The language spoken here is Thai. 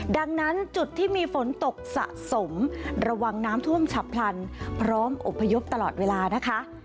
ดังนั้นจุดที่มีฝนตกสะสมระวังน้ำท่วมฉับพลันพร้อมอบพยพตลอดเวลานะคะ